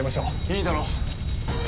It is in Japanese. いいだろう。